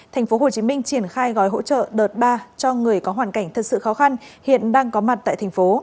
tp hcm triển khai gói hỗ trợ đợt ba cho người có hoàn cảnh thật sự khó khăn hiện đang có mặt tại thành phố